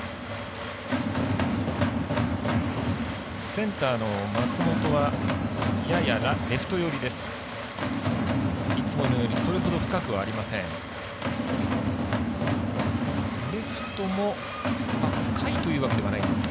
センターの松本はややレフト寄りです。